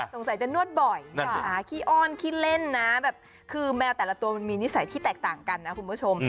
สงสัยจะนวดบ่อยขี้อ้อนขี้เล่นนะแบบคือแมวแต่ละตัวมันมีนิสัยที่แตกต่างกันนะคุณผู้ชม